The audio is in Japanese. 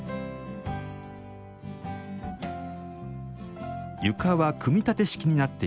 床は組み立て式になっています。